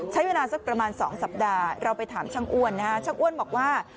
ใช้เวลาสักประมาณ๒สัปดาห์เราไปถามช่างอ้วนนะฮะช่างอ้วนบอกว่า